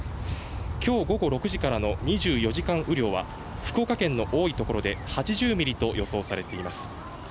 今日午後６時からの２４時間雨量は福岡県の多い所で８０ミリと予想されています。